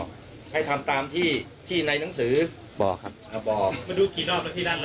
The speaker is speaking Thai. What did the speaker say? นี่นะครั้งนึง